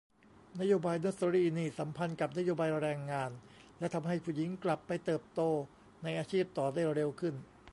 นโยบายเนอสเซอรีนี่สัมพันธ์กับนโยบายแรงงาน และทำให้ผู้หญิงกลับไปเติบโตในอาชีพต่อได้เร็วขึ้น